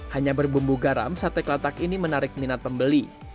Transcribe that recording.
hanya berbumbu garam sate kelatak ini menarik minat pembeli